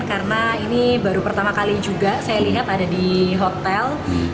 karena ini baru pertama kali juga saya lihat ada di hotel